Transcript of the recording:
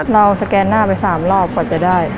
สแกนหน้าไป๓รอบกว่าจะได้